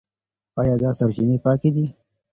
ايا دا سرچينې پاکي دي؟